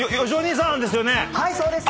はいそうです。